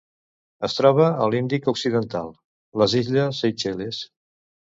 Es troba a l'Índic occidental: les illes Seychelles.